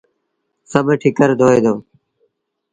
سڀ ٺڪر دوئي دو۔